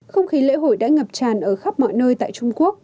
không khí lễ hội đã ngập tràn ở khắp mọi nơi tại trung quốc